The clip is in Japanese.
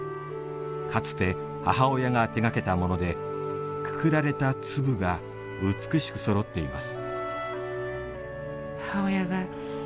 かつて母親が手がけたものでくくられた粒が美しくそろっています。